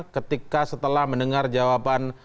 ketika setelah mendengar jawaban